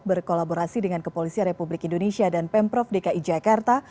berkolaborasi dengan kepolisian republik indonesia dan pemprov dki jakarta